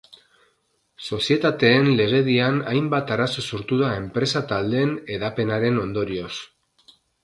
Sozietateen legedian hainbat arazo sortu da enpresa taldeen hedapenaren ondorioz.